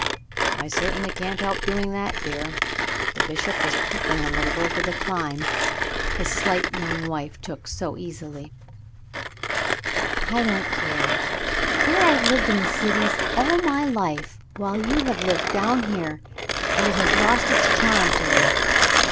"I certainly can't help doing that, dear." The bishop was puffing a little over the climb his slight young wife took so easily. "I don't care. Here I've lived in cities all my life, while you have lived down here, and it has lost its charm to you.